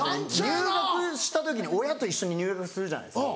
入学した時に親と一緒に入学するじゃないですか。